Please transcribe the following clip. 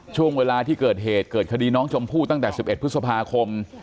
ช่วงเวลาที่เกิดเหตุเกิดคดีน้องชมพู่ตั้งแต่๑๑พฤษภาคม